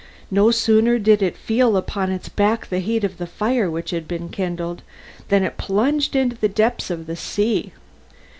No sooner did it feel upon its back the heat of the fire which had been kindled, than it plunged into the depths of the sea.